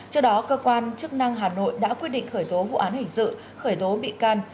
trước đó cơ quan chức năng hà nội đã quyết định khởi tố vụ án hình sự khởi tố bị can